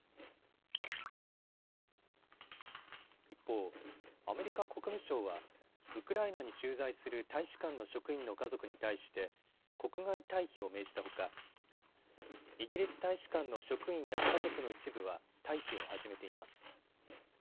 一方、アメリカ国務省はウクライナに駐在する大使館の職員の家族に対して国外退避を命じたほかイギリス大使館の職員や家族の一部は退避を始めています。